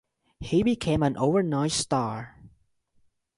He became an "overnight" star.